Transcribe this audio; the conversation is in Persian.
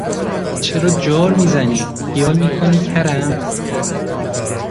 چرا جار میزنی، خیال میکنی کرم!